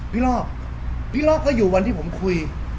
พี่รอบพี่รอบก็อยู่วันที่ผมคุย